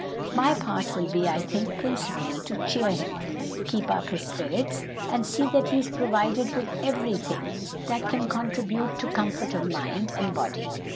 My part will be, I think, principally to cheer him, keep up his spirits, and see that he is provided with everything that can contribute to comfort of mind and body.